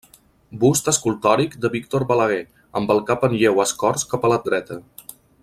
Bust escultòric de Víctor Balaguer amb el cap en lleu escorç cap a la dreta.